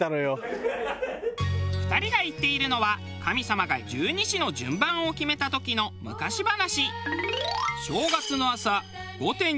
２人が言っているのは神様が十二支の順番を決めた時の昔話。